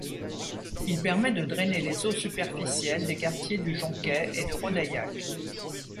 Il permet de drainer les eaux superficielles des quartiers du Jonquet et de Rodeilhac.